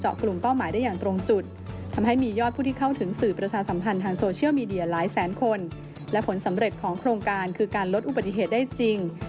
หลายแสนคนและผลสำเร็จของโครงการคือการลดอุปถิเหตุได้จริง